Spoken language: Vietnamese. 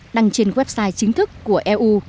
đăng trên website chính thức của eob